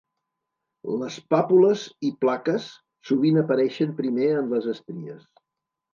Les pàpules i plaques sovint apareixen primer en les estries.